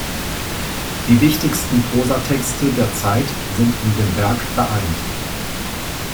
Die wichtigsten Prosatexte der Zeit sind in dem Werk vereint.